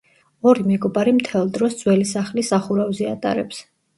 ორი მეგობარი მთელ დროს ძველი სახლის სახურავზე ატარებს.